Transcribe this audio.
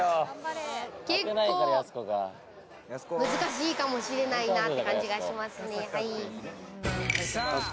結構難しいかもしれないなって感じがしますね。